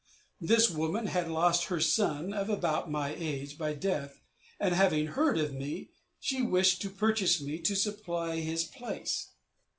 This woman had lost her son, of about my age, by death; and, having heard of me, she wished to purchase me to supply his place.